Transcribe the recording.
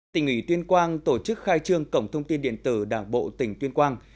tỉnh ủy tuyên quang tổ chức khai trương cổng thông tin điện tử đảng bộ tỉnh tuyên quang